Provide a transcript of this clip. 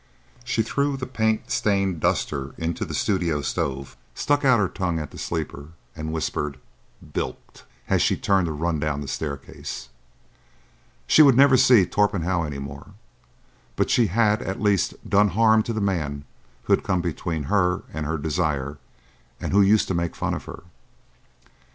She threw the paint stained duster into the studio stove, stuck out her tongue at the sleeper, and whispered, "Bilked!" as she turned to run down the staircase. She would never see Torpenhow any more, but she had at least done harm to the man who had come between her and her desire and who used to make fun of her.